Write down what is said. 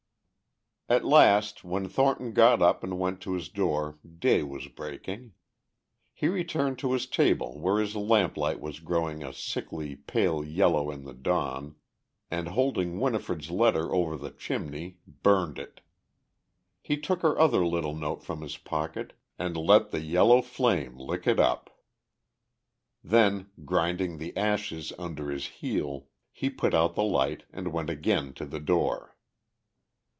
At last when Thornton got up and went to his door day was breaking. He returned to his table where his lamplight was growing a sickly, pale yellow in the dawn, and holding Winifred's letter over the chimney burned it. He took her other little note from his pocket and let the yellow flame lick it up. Then, grinding the ashes under his heel, he put out the light and went again to the door.